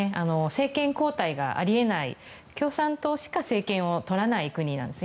政権交代があり得ない共産党しか政権を取らない国なんです。